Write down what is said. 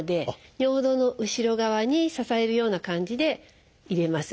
尿道の後ろ側に支えるような感じで入れます。